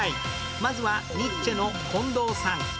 まずはニッチェの近藤さん。